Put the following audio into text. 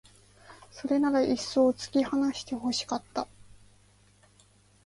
それならいっそう突き放して欲しかった